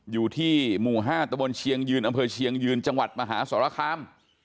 อยู่ที่หมู่๕ตะบนเชียงยืนอำเภอเชียงยืนจังหวัดมหาสรคาม